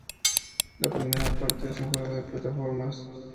La primera parte es un juego de plataformas.